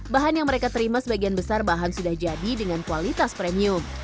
bahan yang mereka terima sebagian besar bahan sudah jadi dengan kualitas premium